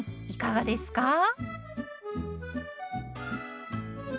いかがですか？